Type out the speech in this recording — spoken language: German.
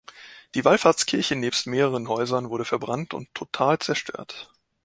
Die Wallfahrtskirche nebst mehreren Häusern wurde verbrannt und total zerstört.